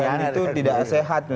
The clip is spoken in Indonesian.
dan itu tidak sehat